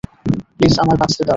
Please আমায় বাঁচতে দাও।